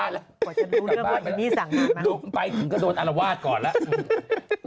หนุ่มไปถึงก็โดนอารวาสก่อนแล้ว